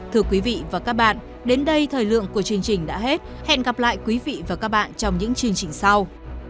thưa quý vị và các bạn đến đây thời lượng của chương trình đã hết hẹn gặp lại quý vị và các bạn trong những chương trình sau